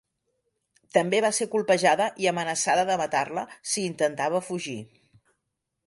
També va ser colpejada i amenaçada de matar-la si intentava fugir.